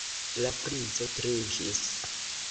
La princo trinkis.